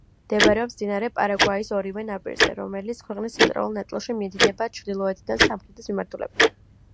მდებარეობს მდინარე პარაგვაის ორივე ნაპირზე, რომელიც ქვეყნის ცენტრალურ ნაწილში მიედინება ჩრდილოეთიდან სამხრეთის მიმართულებით.